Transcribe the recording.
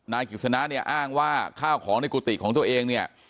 นายกิจสนะเนี่ยอ้างว่าข้าวของในกุฏิของตัวเองเนี่ย